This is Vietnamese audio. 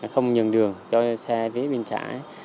không nhận đường cho xe phía bên trái